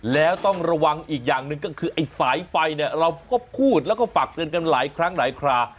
แล้วต้องระวังอีกอย่างหนึ่งก็คือไอ้สายไฟเนี่ยเราก็พูดแล้วก็ฝากเตือนกันหลายครั้งหลายครา